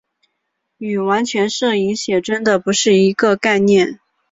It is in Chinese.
与完全摄影写真的不是一个概念。